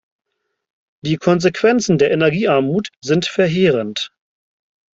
Die Konsequenzen der Energiearmut sind verheerend.